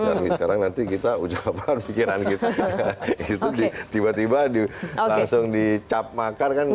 nanggis sekarang nanti kita ucapkan pikiran gitu gitu sih tiba tiba di langsung dicap makan kan